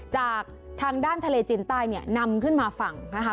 จากทางด้านทะเลจีนใต้เนี่ยนำขึ้นมาฝั่งนะคะ